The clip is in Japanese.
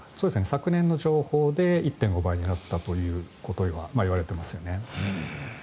昨年の情報で１．５倍になったといわれていますよね。